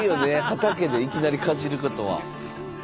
畑でいきなりかじることは。